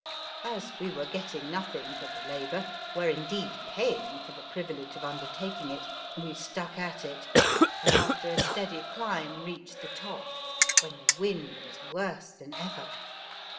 As we were getting nothing for the labour, were indeed paying for the privilege of undertaking it, we stuck at it, and after a steady climb reached the top, when the wind was worse than ever.